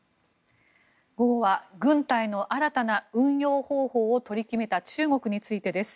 午後は軍隊の新たな運用方法を取り決めた中国についてです。